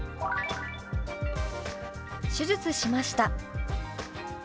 「手術しました」。